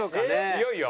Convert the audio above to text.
いよいよ？